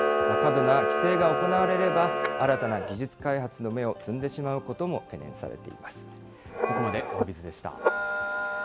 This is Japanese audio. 過度な規制が行われれば、新たな技術開発の芽を摘んでしまうことも懸念されています。